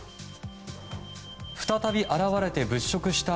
再び現れて物色した